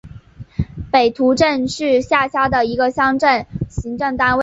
北陡镇是是下辖的一个乡镇级行政单位。